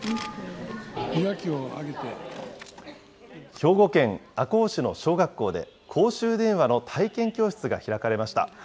兵庫県赤穂市の小学校で、公衆電話の体験教室が開かれました。